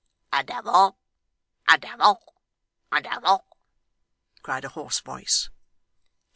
'A devil, a devil, a devil!' cried a hoarse voice.